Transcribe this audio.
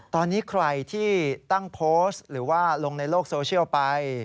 ตอนนี้ใครที่ตั้งโพสต์หรือว่าลงในโลกโซเชียลไป